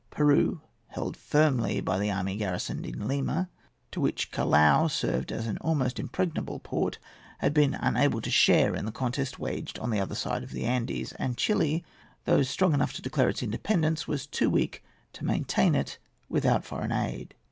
Peru, held firmly by the army garrisoned in Lima, to which Callao served as an almost impregnable port, had been unable to share in the contest waged on the other side of the Andes; and Chili, though strong enough to declare its independence, was too weak to maintain it without foreign aid.